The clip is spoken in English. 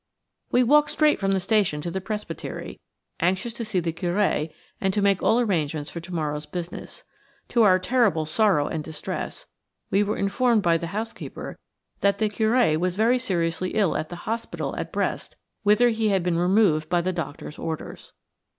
We walked straight from the station to the presbytery, anxious to see the Curé and to make all arrangements for to morrow's business. To our terrible sorrow and distress, we were informed by the housekeeper that the Curé was very seriously ill at the hospital at Brest, whither he had been removed by the doctor's orders.